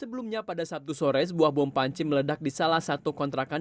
sebelumnya pada sabtu sore sebuah bom panci meledak di salah satu kontrakan